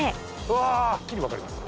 はっきり分かります。